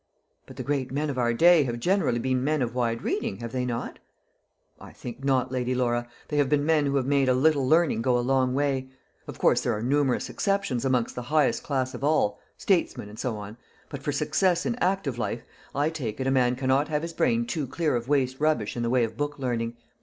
"But the great men of our day have generally been men of wide reading, have they not?" "I think not, Lady Laura. They have been men who have made a little learning go a long way. Of course there are numerous exceptions amongst the highest class of all statesmen, and so on. But for success in active life, I take it, a man cannot have his brain too clear of waste rubbish in the way of book learning.